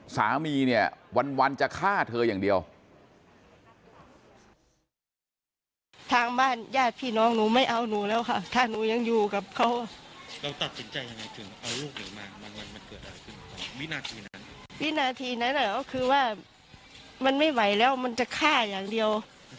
สามีเนี่ยวันจะฆ่าเธออย่างเดียว